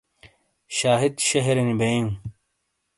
شاہد شہرِینی بئیُوں۔